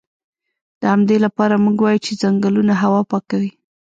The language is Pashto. د همدې لپاره موږ وایو چې ځنګلونه هوا پاکوي